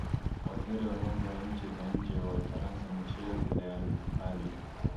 waziri wa mambo ya nchi za nje wa ufaransa michelle leoali